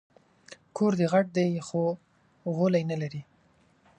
کور دي غټ دی خو غولی نه لري